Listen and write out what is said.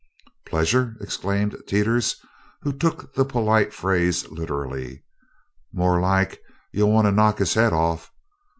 "Pleasure!" exclaimed Teeters, who took the polite phrase literally. "More like you'll want to knock his head off.